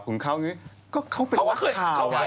คุณเขาคือก็เป็นว่าข่าว